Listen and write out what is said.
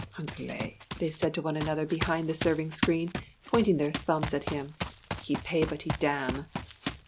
"Anglais," they said to one another behind the serving screen, pointing their thumbs at him "he pay but he damn."